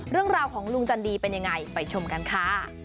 เรื่องราวของลุงจันดีเป็นยังไงไปชมกันค่ะ